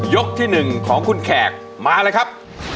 ที่๑ของคุณแขกมาเลยครับ